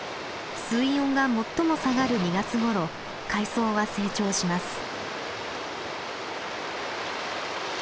水温が最も下がる２月ごろ海藻は成長します。